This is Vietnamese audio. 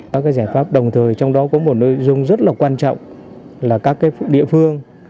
các giải pháp đồng thời trong đó có một nội dung rất là quan trọng là các địa phương